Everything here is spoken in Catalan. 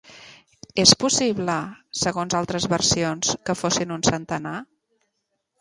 És possible, segons altres versions, que fossin un centenar?